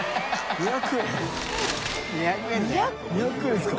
２００円ですか？